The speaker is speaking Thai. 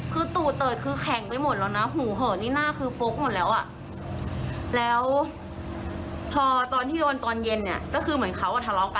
คิดอยู่ว่าเป็นพ่อจริง